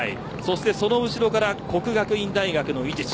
その後ろから國學院大學の伊地知。